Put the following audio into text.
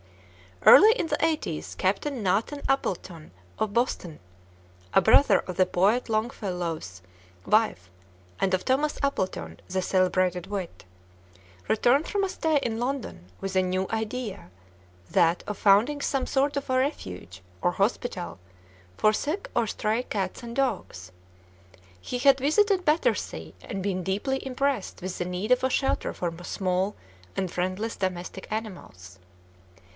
Early in the eighties, Captain Nathan Appleton, of Boston (a brother of the poet Longfellow's wife, and of Thomas Appleton, the celebrated wit), returned from a stay in London with a new idea, that of founding some sort of a refuge, or hospital, for sick or stray cats and dogs. He had visited Battersea, and been deeply impressed with the need of a shelter for small and friendless domestic animals.